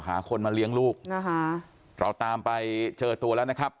หาคนมาเลี้ยงลูกนะคะเราตามไปเจอตัวแล้วนะครับ